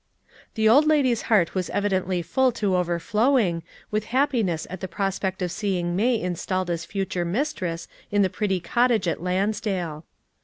The old lady's heart was evidently full to overflowing, with happiness at the prospect of seeing May installed as future mistress in the pretty cottage at Lansdale.